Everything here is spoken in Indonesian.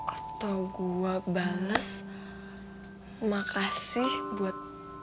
atau gua bales makasih buat